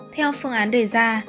theo phương án đề ra